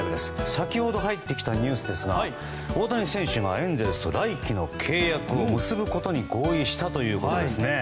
先ほど入ってきたニュースですが大谷選手がエンゼルスと来季の契約を結ぶことに合意したということです。